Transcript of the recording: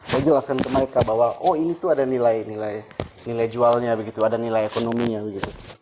saya jelaskan ke mereka bahwa oh ini tuh ada nilai nilai jualnya begitu ada nilai ekonominya begitu